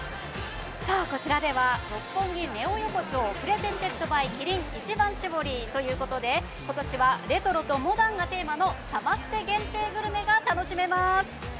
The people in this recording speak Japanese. こちらでは六本木ネオ横丁Ｐｒｅｓｅｎｔｅｄｂｙキリン一番搾りということで今年はレトロモダンがテーマのサマステ限定グルメが楽しめます。